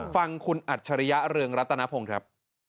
ฟังคุณอัจฉริยะเรืองรัตนพงศ์ครับ